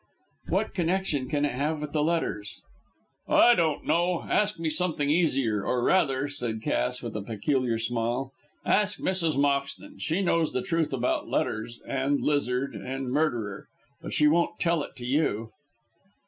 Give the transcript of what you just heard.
"What connection can it have with the letters?" "I don't know. Ask me something easier, or rather," said Cass, with a peculiar smile, "ask Mrs. Moxton. She knows the truth about letters, and lizard and murder. But she won't tell it to you."